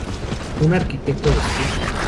Un arquitecto de St.